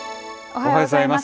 おはようございます。